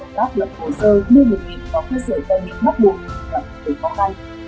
công tác luật hồ sơ đưa bổng nghiệp vào cơ sở tai biệt mắc buồn gặp cụ thể phong canh